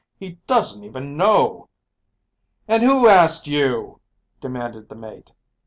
He doesn't even know ..." "And who asked you?" demanded the mate.